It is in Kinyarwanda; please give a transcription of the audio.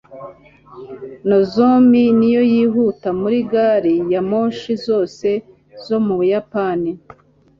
nozomi niyo yihuta muri gari ya moshi zose zo mu buyapani